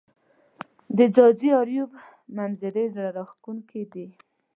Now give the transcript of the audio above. د ځاځي اریوب منظزرې زړه راښکونکې دي